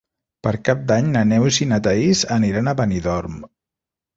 Per Cap d'Any na Neus i na Thaís aniran a Benidorm.